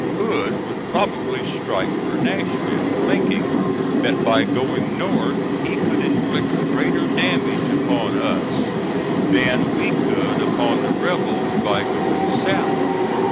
Hood would probably strike for Nashville, thinking that by going north he could inflict greater damage upon us than we could upon the rebels by going south.